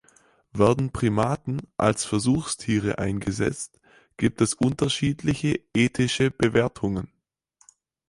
Werden Primaten als Versuchstiere eingesetzt, gibt es unterschiedliche ethische Bewertungen.